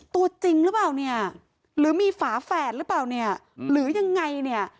ตัวจริงหรือเปล่าเนี่ยหรือมีฝาแฝดหรือเปล่าเนี่ยหรือยังไงเนี่ย